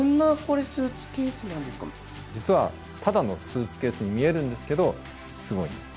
実はただのスーツケースに見えるんですけどすごいんです。